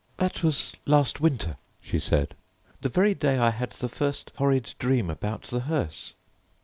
"That was last winter," she said, "the very day I had the first horrid dream about the hearse."